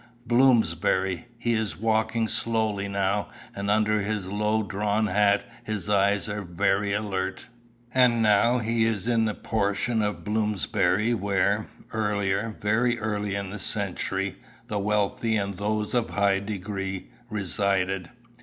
Bloomsbury. He is walking slowly now, and under his low drawn hat his eyes are very alert. And now he is in that portion of Bloomsbury where, earlier, very early in the century, the wealthy, and those of high degree resided.